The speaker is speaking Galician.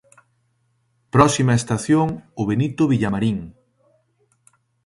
Próxima estación, o Benito Villamarín.